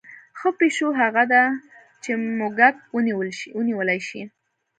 ښه پیشو هغه ده چې موږک ونیولی شي.